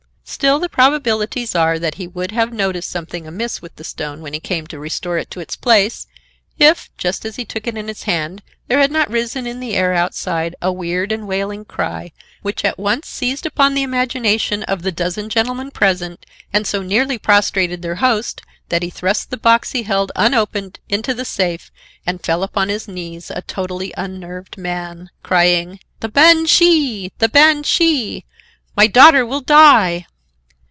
Still the probabilities are that he would have noticed something amiss with the stone when he came to restore it to its place, if, just as he took it in his hand, there had not risen in the air outside a weird and wailing cry which at once seized upon the imagination of the dozen gentlemen present, and so nearly prostrated their host that he thrust the box he held unopened into the safe and fell upon his knees, a totally unnerved man, crying: "The banshee! the banshee! My daughter will die!"